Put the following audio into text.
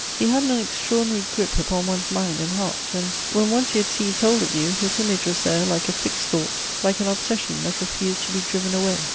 He had an extraordinary grip upon one's mind and heart; and, when once he had seized hold of you, his image was there, like a fixed thought, like an obsession that refused to be driven away.